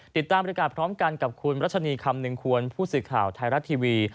ติดตามบริการพร้อมกันกับคุณรัชนีคำหนึ่งควรผู้สื่อข่าวไทยรัฐทีวี